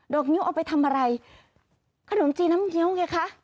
นิ้วเอาไปทำอะไรขนมจีนน้ำเงี้ยวไงคะ